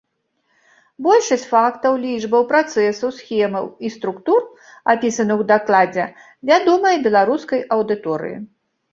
Большасць фактаў, лічбаў, працэсаў, схемаў і структур, апісаных у дакладзе, вядомая беларускай аўдыторыі.